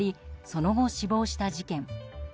その後、死亡した事件。